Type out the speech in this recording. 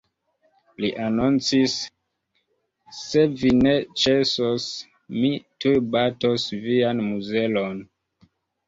Li anoncis; "Se vi ne ĉesos, mi tuj batos vian muzelon!".